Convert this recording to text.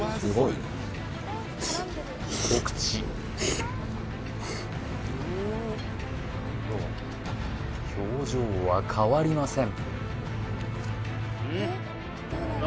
一口表情は変わりません